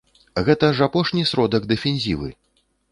Гэта ж апошні сродак дэфензівы!